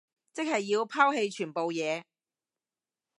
即係要拋棄全部嘢